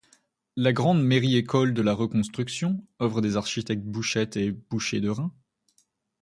La grande mairie-école de la Reconstruction, œuvre des architectes Bouchette et Bouchez de Reims.